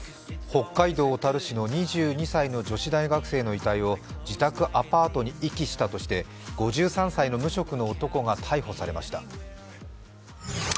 北海道小樽市の２２歳の女子大学生の遺体を自宅アパートに遺棄したとして５３歳の無職の男が逮捕されました。